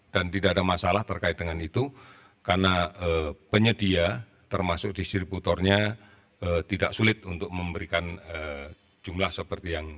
dan tidak ada masalah terkait dengan itu karena penyedia termasuk distributornya tidak sulit untuk memberikan jumlah seperti yang ini